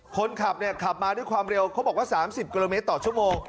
คนขับเนี่ยขับมาด้วยความเร็วเขาบอกว่า๓๐กิโลเมตรต่อชั่วโมง